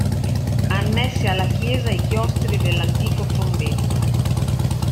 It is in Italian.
Annessi alla chiesa i chiostri dell'antico convento.